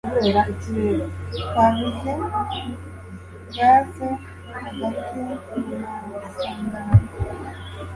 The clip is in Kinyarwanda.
Twabuze gaze hagati mu masangano.